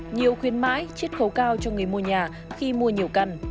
nhiều khuyến mãi chiết khấu cao cho người mua nhà khi mua nhiều căn